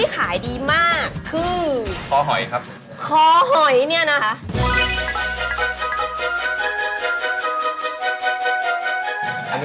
หื้ม